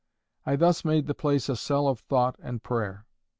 I thus made the place a cell of thought and prayer.